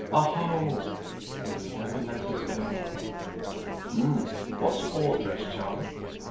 Aho! "Will you never let us go?" "H'm. What's oar thresh, Charlie?"